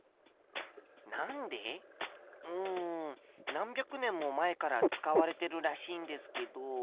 何百年も前から使われてるらしいんですけど。